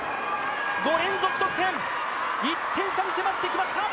５連続得点、１点差に迫ってきました。